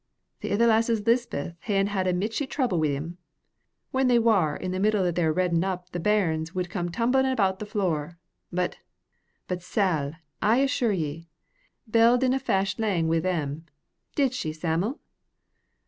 Th' ither lasses Lisbeth's ha'en had a michty trouble wi' them. When they war i' the middle o' their reddin up the bairns wid come tumlin' about the floor, but, sal, I assure ye, Bell didna fash lang wi' them. Did she, Sam'l?"